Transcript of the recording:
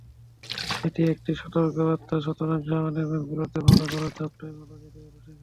এটি একটি সতর্কবার্তা, সুতরাং সামনের ম্যাচগুলোতে ভালো করার চাপটা ভালোই জেঁকে বসেছে।